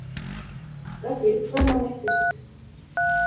Kas ir hronometrs?